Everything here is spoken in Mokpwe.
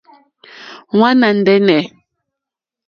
Wàná ndɛ́nɛ̀.